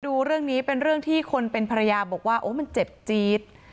ดูเรื่องนี้เป็นเรื่องที่คนเป็นภรรยาบอกว่าโอ้มันเจ็บจี๊ด